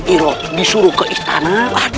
iroh disuruh ke istana